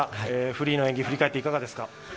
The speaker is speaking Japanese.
フリーの演技を振り返っていかがですか。